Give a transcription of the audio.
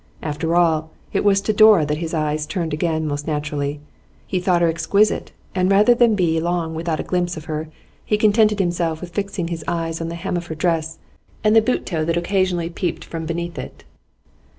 After all, it was to Dora that his eyes turned again most naturally. He thought her exquisite, and, rather than be long without a glimpse of her, he contented himself with fixing his eyes on the hem of her dress and the boot toe that occasionally peeped from beneath it.